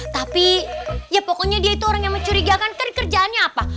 tapi ya pokoknya dia itu orang yang mencurigakan kan kerjaannya apa